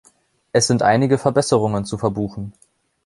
Es sind einige Verbesserungen zu verbuchen.